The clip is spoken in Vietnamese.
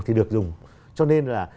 thì được dùng cho nên là